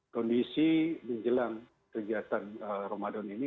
kondisi di jelang kegiatan ramadan ini